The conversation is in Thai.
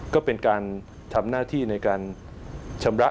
ก็เป็นการทำหน้าที่ในการชำระ